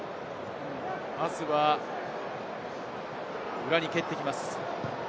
まずは裏に蹴ってきます。